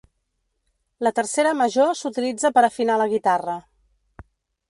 La tercera major s'utilitza per afinar la guitarra.